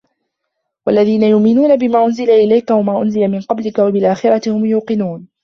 وَالَّذِينَ يُؤْمِنُونَ بِمَا أُنزِلَ إِلَيْكَ وَمَا أُنزِلَ مِن قَبْلِكَ وَبِالْآخِرَةِ هُمْ يُوقِنُونَ